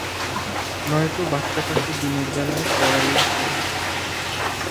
নয়তো বাচ্চাটাকে দিনের বেলায় পড়ালেই হয়।